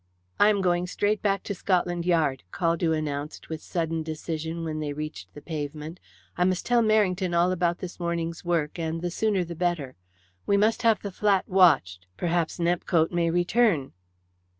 "I am going straight back to Scotland Yard," Caldew announced with sudden decision when they reached the pavement. "I must tell Merrington all about this morning's work, and the sooner the better. We must have the flat watched. Perhaps Nepcote may return."